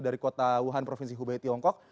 dari kota wuhan provinsi hubei tiongkok